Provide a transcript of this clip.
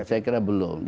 saya kira belum